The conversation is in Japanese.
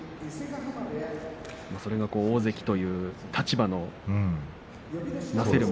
それが大関という立場の成せる